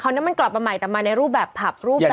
นั้นมันกลับมาใหม่แต่มาในรูปแบบผับรูปแบบ